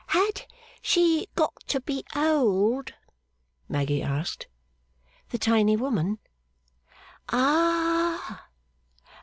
'Had she got to be old?' Maggy asked. 'The tiny woman?' 'Ah!